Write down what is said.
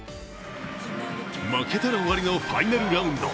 負けたら終わりのファイナルラウンド。